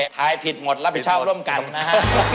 ถ่ายผิดหมดรับผิดชอบร่วมกันนะฮะ